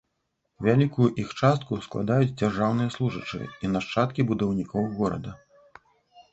Вялікую іх частку складаюць дзяржаўныя служачыя і нашчадкі будаўнікоў горада.